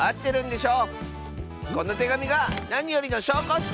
このてがみがなによりのしょうこッス！